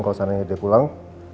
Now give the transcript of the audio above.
kalau seandainya dia pulang